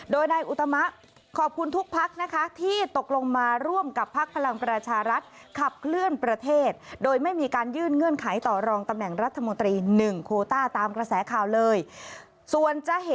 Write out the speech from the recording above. โดยนายอุตมะขอบคุณทุกภักดิ์นะคะ